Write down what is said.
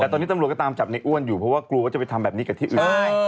แต่ตอนนี้ตำรวจก็ตามจับในอ้วนอยู่เพราะว่ากลัวว่าจะไปทำแบบนี้กับที่อื่น